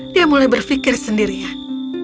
dia mulai berfikir sendirian